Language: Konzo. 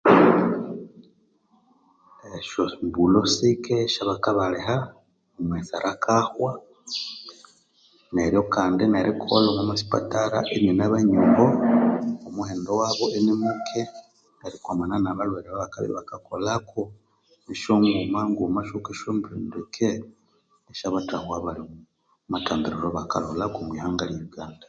Esyombulho sike esyabakabaliha omughesera akahwa neryo kandi nerikolha omwa masipatara inina banyoho omuhendo wabo inimuke erikwamana nabalhwere ababakabya ibakakolhako nisyangumanguma syoko syambinduke esya abathahwa abali omwa mathambiriro bakalholhako omwa lihanga elye Uganda.